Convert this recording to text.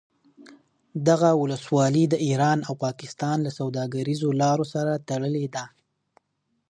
دغه ولسوالي د ایران او پاکستان له سوداګریزو لارو سره تړلې ده